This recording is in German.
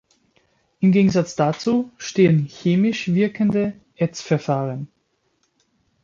Im Gegensatz dazu stehen chemisch wirkende Ätzverfahren.